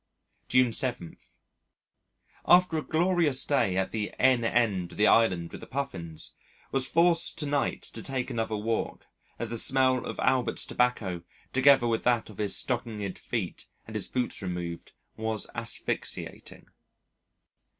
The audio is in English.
June 7. After a glorious day at the N. end of the Island with the Puffins, was forced to night to take another walk, as the smell of Albert's tobacco, together with that of his stockinged feet and his boots removed, was asphyxiating.